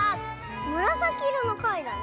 むらさきいろのかいだね。